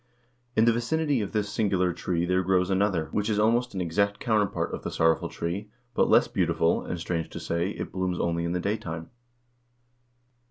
In the vicinity of this singular tree there usually grows another, which is almost an exact counterpart of the Sorrowful Tree, but less beautiful, and, strange to say, it blooms only in the daytime.